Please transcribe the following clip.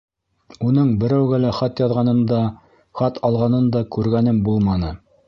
Уның берәүгә лә хат яҙғанын да, хат алғанын да күргәнем булманы.